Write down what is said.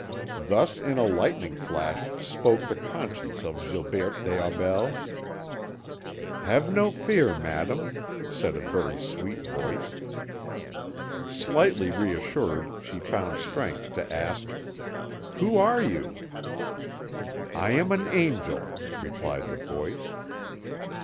Thus in a lightning flash spoke the conscience of Gilberte des Aubels. "Have no fear, Madame," said a very sweet voice. Slightly reassured, she found strength to ask: "Who are you?" "I am an angel," replied the voice.